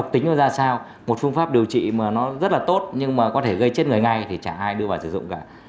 tính nó ra sao một phương pháp điều trị mà nó rất là tốt nhưng mà có thể gây chết người ngay thì chẳng ai đưa vào sử dụng cả